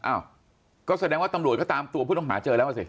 อ้าวก็แสดงว่าตำรวจก็ตามตัวผู้ต้องหาเจอแล้วอ่ะสิ